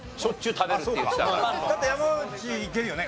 だったら山内いけるよね？